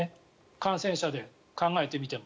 感染者で考えてみても。